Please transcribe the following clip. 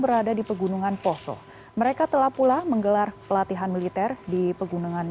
berada di pegunungan poso mereka telah pula menggelar pelatihan militer di pegunungan